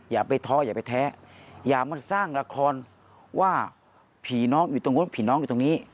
อย่าไปท้ออย่าไปแท้อย่ามาสร้างละครว่าผีน้องอยู่ตรงนู้นผีน้องอยู่ตรงนี้